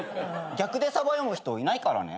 逆でさば読む人いないからね。